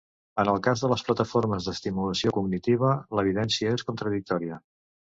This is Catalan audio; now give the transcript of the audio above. En el cas de les plataformes d'estimulació cognitiva, l'evidència és contradictòria.